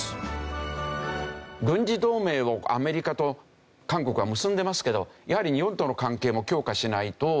軍事同盟をアメリカと韓国は結んでますけどやはり日本との関係も強化しないと。